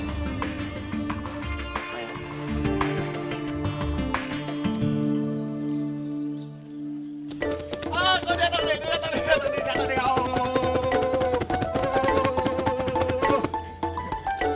ah kau dateng nih dateng nih dateng nih dateng nih